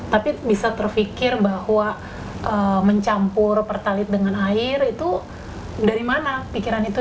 tapi bisa terfikir bahwa mencampur pertalit dengan air itu dari mana pikiran itu